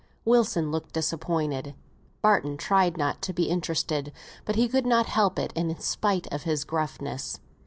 Wilson looked disappointed. Barton tried not to be interested, but he could not help it in spite of his gruffness.